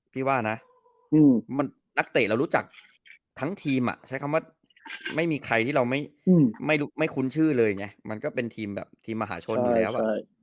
พี่ว่านะนักเตะเรารู้จักทั้งทีมใช้คำว่าไม่มีใครที่เราไม่คุ้นชื่อเลยไงมันก็เป็นทีมแบบทีมมหาชนอยู่แล้ว